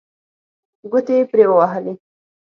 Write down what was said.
ګوتې یې پرې ووهلې.